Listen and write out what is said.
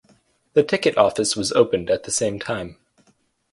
The ticket office was opened at the same time.